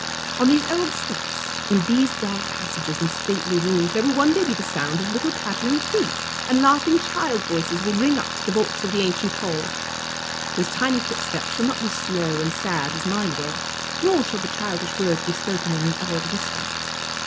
On these old steps, in these dark passages and stately rooms, there will one day be the sound of little pattering feet, and laughing child voices will ring up to the vaults of the ancient hall. Those tiny footsteps shall not be slow and sad as mine were, nor shall the childish words be spoken in an awed whisper.